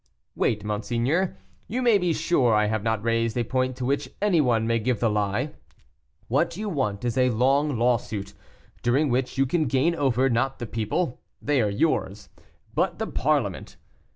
"Wait, monseigneur; you may be sure I have not raised a point to which any one may give the lie. What you want is a long lawsuit, during which you can gain over, not the people, they are yours, but the parliament.